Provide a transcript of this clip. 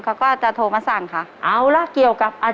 ก็จะโทรมาสั่งค่ะ